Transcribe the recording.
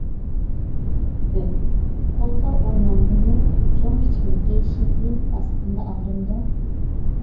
ئۆت: قولغا ئۇرۇنامدۇ يوق، چوڭ-كىچىكلىكى، شەكلى، باسقاندا ئاغرىمدۇ.